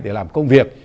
để làm công việc